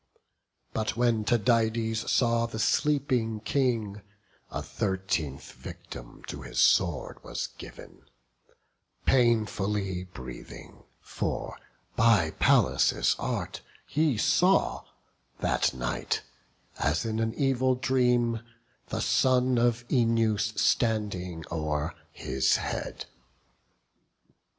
But when Tydides saw the sleeping King, A thirteenth victim to his sword was giv'n, Painfully breathing; for by Pallas' art, He saw that night, as in an evil dream, The son of Œneus standing o'er his head.